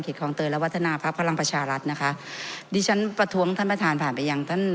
คลองเตยและวัฒนาพักพลังประชารัฐนะคะดิฉันประท้วงท่านประธานผ่านไปยังท่าน